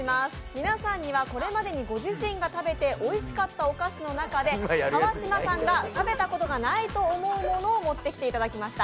皆さんにはこれまでにご自身が食べておいしかったお菓子の中で川島さんが食べたことがないと思うものを持ってきていただきました。